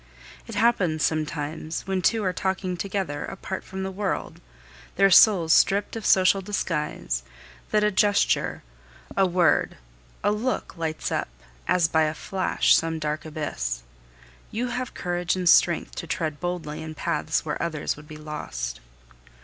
It happens sometimes, when two are talking together, apart from the world, their souls stripped of social disguise, that a gesture, a word, a look lights up, as by a flash, some dark abyss. You have courage and strength to tread boldly in paths where others would be lost.